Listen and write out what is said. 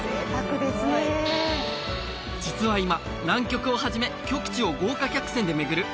実は今南極をはじめ極地を豪華客船で巡る